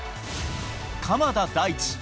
鎌田大地。